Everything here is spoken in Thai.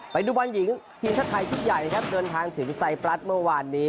ไปดูบอลหญิงทีมชาติไทยชุดใหญ่นะครับเดินทางถึงไซปรัสเมื่อวานนี้